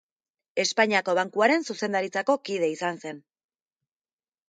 Espainiako Bankuaren zuzendaritzako kide izan zen.